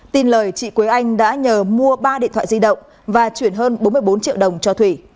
tin lời chị quế anh đã nhờ mua ba điện thoại di động và chuyển hơn bốn mươi bốn triệu đồng cho thủy